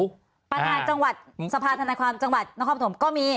ประธานจังหวัดสภาษณความจังหวัดน้องค่อบถมก็มี